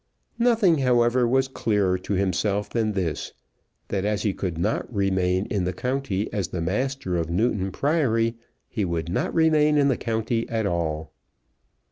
Nothing, however, was clearer to himself than this; that as he could not remain in the county as the master of Newton Priory, he would not remain in the county at all.